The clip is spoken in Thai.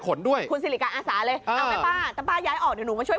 ด้วยคุณสิริกาอาสาเลยเอาแม่ป้าแต่ป้าย้ายออกเดี๋ยวหนูมาช่วย